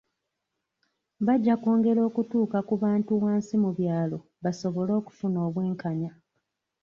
Bajja kwongera okutuuka ku bantu wansi mu byalo, basobole okufuna obwenkanya.